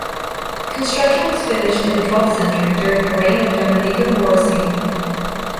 Construction was finished in the twelfth century, during the reign of Domenico Morosini.